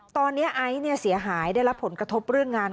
ตอนนี้ไอซ์เสียหายได้รับผลกระทบเรื่องงาน